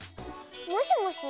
もしもし。